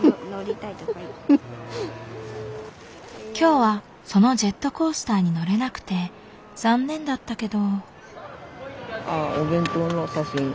今日はそのジェットコースターに乗れなくて残念だったけど。